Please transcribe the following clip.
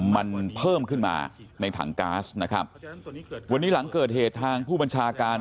มันเพิ่มขึ้นมาในถังก๊าซนะครับวันนี้หลังเกิดเหตุทางผู้บัญชาการ